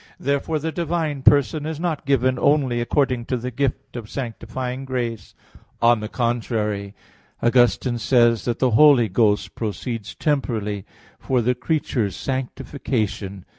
Therefore the divine person is not given only according to the gift of sanctifying grace. On the contrary, Augustine says (De Trin. iii, 4) that "the Holy Ghost proceeds temporally for the creature's sanctification."